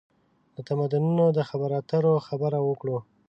د تمدنونو د خبرواترو خبره وکړو.